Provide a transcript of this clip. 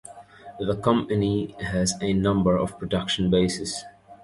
The company has a number of production bases.